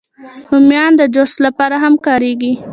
رومیان د جوس لپاره هم کارېږي